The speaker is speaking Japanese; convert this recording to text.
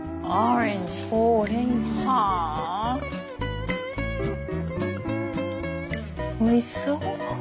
おいしそう。